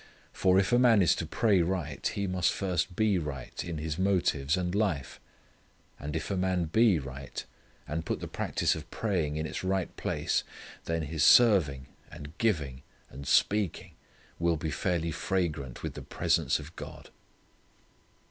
For if a man is to pray right, he must first be right in his motives and life. And if a man be right, and put the practice of praying in its right place, then his serving and giving and speaking will be fairly fragrant with the presence of God.